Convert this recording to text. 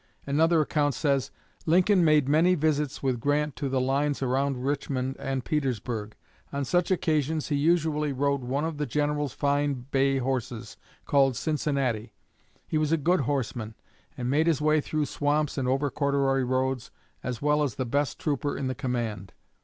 Another account says: "Lincoln made many visits with Grant to the lines around Richmond and Petersburg. On such occasions he usually rode one of the General's fine bay horses, called 'Cincinnati.' He was a good horseman, and made his way through swamps and over corduroy roads as well as the best trooper in the command.